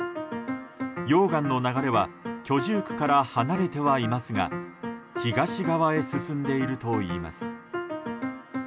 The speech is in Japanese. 溶岩の流れは居住区から離れてはいますが東側へ進んでいるといいます。